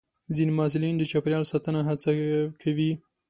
ځینې محصلین د چاپېریال ساتنې هڅه کوي.